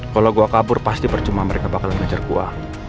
kalau gua kabur pasti percuma mereka bakalan ngejar gua